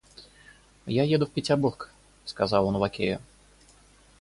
Я еду в Петербург, — сказал он лакею.